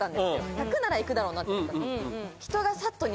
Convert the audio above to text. １００ならいくだろうなと思った。